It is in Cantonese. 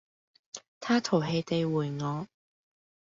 他淘氣地回我